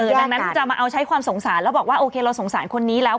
ดังนั้นจะมาเอาใช้ความสงสารแล้วบอกว่าโอเคเราสงสารคนนี้แล้ว